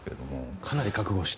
かなり覚悟して。